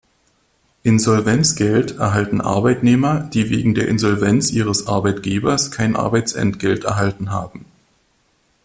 Insolvenzgeld erhalten Arbeitnehmer, die wegen der Insolvenz ihres Arbeitgebers kein Arbeitsentgelt erhalten haben.